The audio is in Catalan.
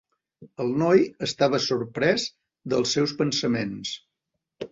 El noi estava sorprès dels seus pensaments.